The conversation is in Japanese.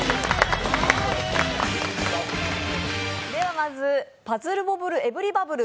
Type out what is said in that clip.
まず「パズルボブルエブリバブル！」